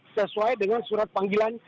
sesuai dengan surat panggilan